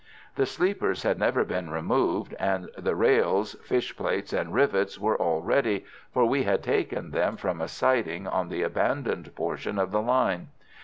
The sleepers had never been removed, and the rails, fish plates, and rivets were all ready, for we had taken them from a siding on the abandoned portion of the line.